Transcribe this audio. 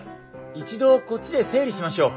一度こっちで整理しましょう。